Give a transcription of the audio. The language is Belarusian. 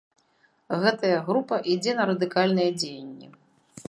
Гэтая група ідзе на радыкальныя дзеянні.